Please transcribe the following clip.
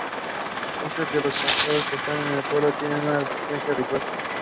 Many of these tried to escape without success and many more committed suicide.